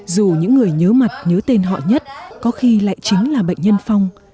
dù những người nhớ mặt nhớ tên họ nhất có khi lại chính là bệnh nhân phong